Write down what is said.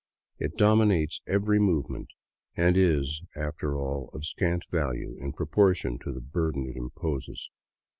It dominates every move ment and is, after all, of scant value in proportion to the burden it imposes.